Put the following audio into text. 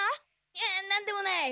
いやなんでもない。